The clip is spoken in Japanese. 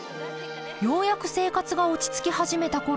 ようやく生活が落ち着き始めたころ